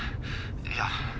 いや。